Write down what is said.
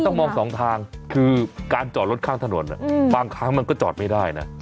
ต้องมองสองทางคือการจอดรถข้างถนนบางครั้งมันก็จอดไม่ได้นะ